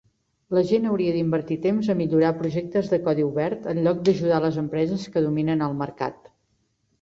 La gent hauria d'invertir temps a millorar projectes de codi obert en lloc d'ajudar les empreses que dominen el mercat.